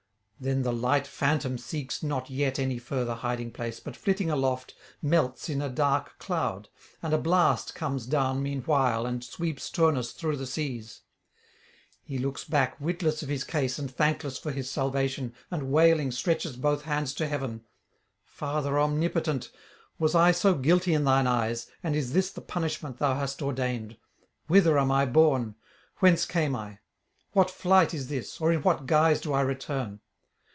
Then the light phantom seeks not yet any further hiding place, but, flitting aloft, melts in a dark cloud; and a blast comes down meanwhile and sweeps Turnus through the seas. He looks back, witless of his case and thankless for his salvation, and, wailing, stretches both hands to heaven: 'Father omnipotent, was I so guilty in thine eyes, and is this the punishment thou hast ordained? Whither am I borne? whence came I? what flight is this, or in what guise do I return?